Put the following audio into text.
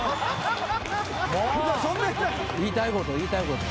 言いたいこと言いたいこと。